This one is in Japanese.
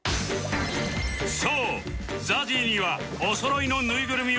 そう ＺＡＺＹ にはおそろいのぬいぐるみをしっかり購入